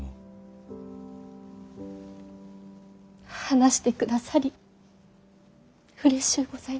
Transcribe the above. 話してくださりうれしゅうございました。